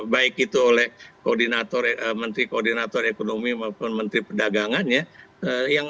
baik itu oleh koordinator menteri koordinator ekonomi maupun menteri perdagangannya